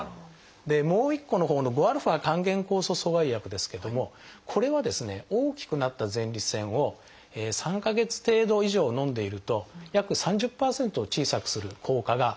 もう一個のほうの５α還元酵素阻害薬ですけどもこれは大きくなった前立腺を３か月程度以上のんでいると約３０％小さくする効果があります。